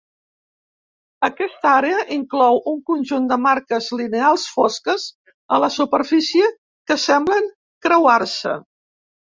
Aquesta àrea inclou un conjunt de marques lineals fosques a la superfície que semblen creuar-se.